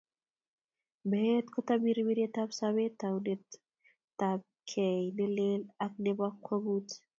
Meet ko tambiriretab sobeet, taunetab kei ne lel ake nebo kwong'ut.